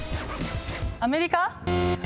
アメリカ？